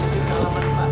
pelan pelan ya pelan pelan